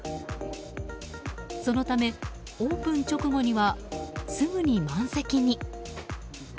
そのため、オープン直後にはすぐに満席に。